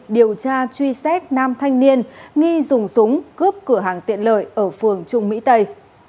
điều tra truy xét nam thanh niên nghi dùng súng cướp cửa hàng tiện lợi ở phường trung mỹ tây